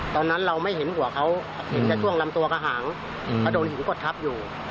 ตอนนั้นเราไม่เห็นหัวเขาเห็นแค่ช่วงลำตัวกระหางเขาโดนหินกดทับอยู่